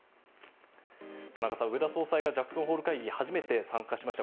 田中さん、植田総裁がジャクソンホール会議に初めて参加しました。